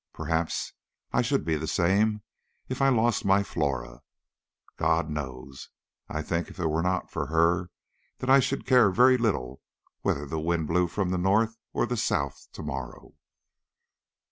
Perhaps I should be the same if I lost my Flora God knows! I think if it were not for her that I should care very little whether the wind blew from the north or the south to morrow.